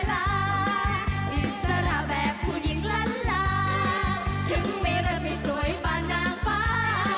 ฉันไม่ชอบความที่เหงาฉันชอบคุยชอบเมาเที่ยวให้ใจเริงรา